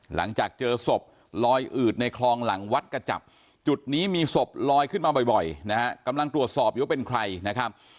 หลังจากเจอศพลอยอืดในคลองหลังวัดกระจับจุดนี้มีศพลอยขึ้นมาบ่อยนะฮะกำลังตรวจสอบอยู่ว่าเป็นใครนะครับ